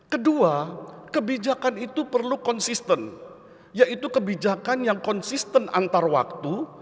kedua kebijakan itu perlu konsisten yaitu kebijakan yang konsisten antar waktu